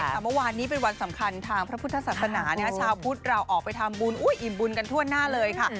แต่เมื่อวานนี้เป็นวันสำคัญทางพระพุทธศาสนาชาวพุทธเราออกไปทำบุญอิ่มบุญกันทั่วหน้าเลยค่ะ